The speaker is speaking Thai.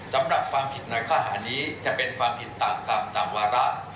สำหรับฟังผิดหน่อยค่าหานี้จะเป็นฟังผิดต่างตามวาระ